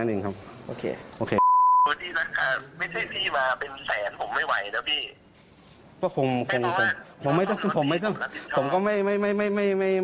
เดี๋ยวผมโอนให้ครับพี่